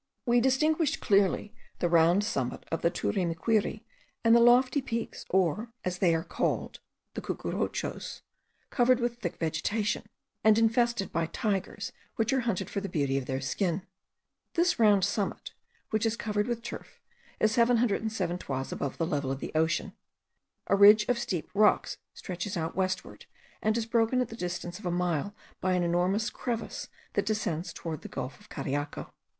We distinguished clearly the round summit of the Turimiquiri and the lofty peaks or, as they are called, the Cucuruchos, covered with thick vegetation, and infested by tigers which are hunted for the beauty of their skin. This round summit, which is covered with turf, is 707 toises above the level of the ocean. A ridge of steep rocks stretches out westward, and is broken at the distance of a mile by an enormous crevice that descends toward the gulf of Cariaco.